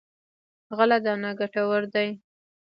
غله دانه کلتور دی.